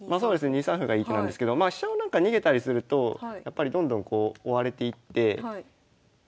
２三歩がいいと思うんですけど飛車をなんか逃げたりするとやっぱりどんどんこう追われていってそうですね